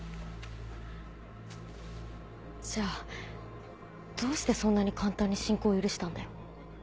じゃあどうしてそんなに簡単に侵攻を許したんだよ？